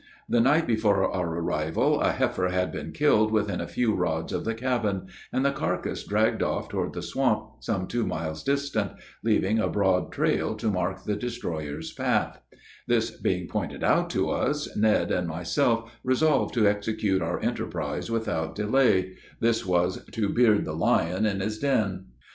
The night before our arrival, a heifer had been killed within a few rods of the cabin, and the carcass dragged off toward the swamp, some two miles distant, leaving a broad trail to mark the destroyer's path; this being pointed out to us, Ned and myself resolved to execute our enterprise without delay this was to "beard the lion in his den."